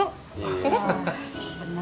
tahun baru juga bu